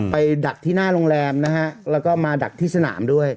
ดักที่หน้าโรงแรมนะฮะแล้วก็มาดักที่สนามด้วย